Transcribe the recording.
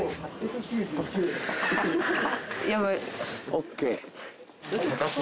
ＯＫ。